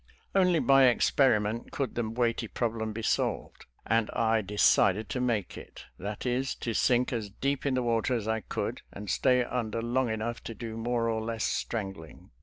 Only by experiment could the weighty problem be solved, and I de cided to make it ^that is, to sink as deep in the water as I could and stay under long enough to do more or less strangling.